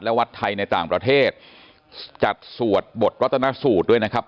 และวัดไทยในต่างประเทศจัดสวดบทรัฐนสูตรด้วยนะครับ